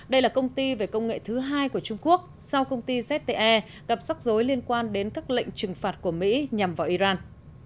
đây là công ty về công nghệ thứ hai của trung quốc sau công ty zte gặp sắc dối liên quan đến các lệnh trừng phạt của mỹ nhằm vào iran